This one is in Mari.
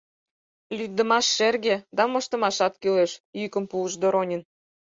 — Лӱддымаш шерге, да моштымашат кӱлеш, — йӱкым пуыш Доронин.